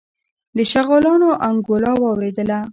شغالانو انګولا واورېدله.